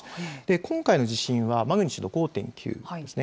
今回の地震はマグニチュード５．９ですね。